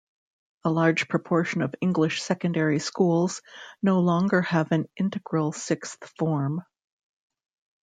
A large proportion of English secondary schools no longer have an integral sixth form.